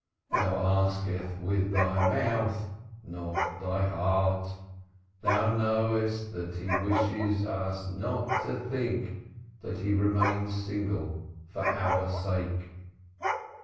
"Thou askest with thy mouth, not thy heart. Thou knowest that he wishes us not to think that he remains single for our sake.